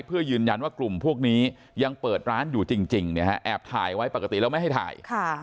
เพื่อยืนยันว่ากลุ่มพวกนี้ยังเปิดร้านอยู่จริงแอบถ่ายไว้ปกติแล้วไม่ให้ถ่าย